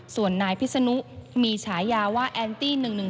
ส่วนนายพิศนุมีฉายาว่าแอนตี้๑๑๒